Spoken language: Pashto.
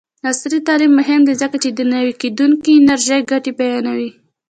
عصري تعلیم مهم دی ځکه چې د نوي کیدونکي انرژۍ ګټې بیانوي.